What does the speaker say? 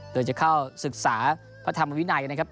โดยจะเข้าศึกษาพระธรรมวินัยนะครับ